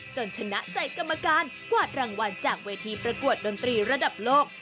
ชนะใจกรรมการกวาดรางวัลจากเวทีประกวดดนตรีระดับโลก